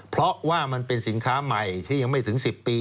เพราะว่ามันเป็นสินค้าใหม่ที่ยังไม่ถึง๑๐ปี